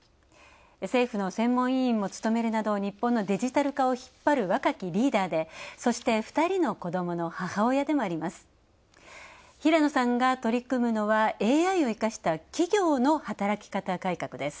政府の専門委員も務めるなど日本のデジタル化を引っ張る若きリーダーでそして、２人の子どもの母親でもあります。